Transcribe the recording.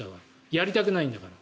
やりたくないんだから。